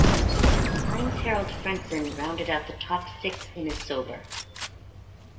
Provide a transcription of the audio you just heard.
Heinz-Harald Frentzen rounded out the top six in his Sauber.